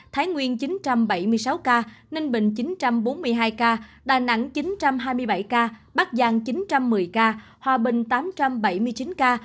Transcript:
thái nguyên chín trăm bảy mươi sáu ca ninh bình chín trăm bốn mươi hai ca đà nẵng chín trăm hai mươi bảy ca bắc giang chín trăm một mươi ca